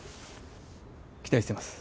期待してます。